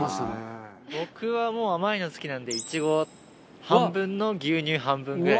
僕はもう甘いの好きなんでいちご半分の牛乳半分ぐらいで。